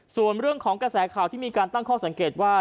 ส่วนเรื่องของกระแสข่าวที่มีการตั้งข้อสังเกตว่า